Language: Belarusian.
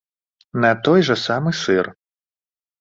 На той жа самы сыр.